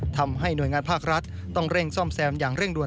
ทำให้หน่วยงานภาครัฐต้องเร่งซ่อมแซมอย่างเร่งด่ว